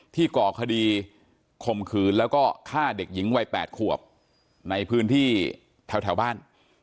ก่อคดีข่มขืนแล้วก็ฆ่าเด็กหญิงวัย๘ขวบในพื้นที่แถวบ้าน